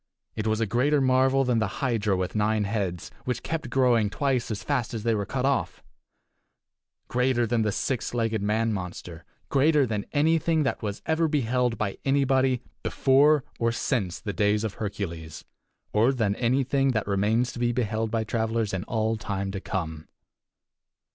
It was a greater marvel than the hydra with nine heads, which kept growing twice as fast as they were cut off; greater than the six legged man monster; greater than anything that was ever beheld by anybody before or since the days of Hercules, or than anything that remains to be beheld by travelers in all time to come.